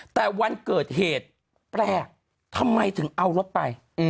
แต่วันเกิดเหตุแปลกทำไมถึงเอารถไป